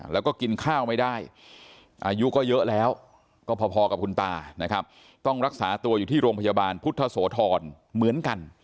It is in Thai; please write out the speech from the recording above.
แล้วก็กินข้าวไม่ได้อายุก็เยอะแล้วก็พอกับคุณตานะครับต้องรักษาตัวอยู่ที่โรงพยาบาลพุทธโสธรเหมือนกัน